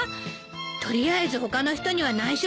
取りあえず他の人には内緒ね。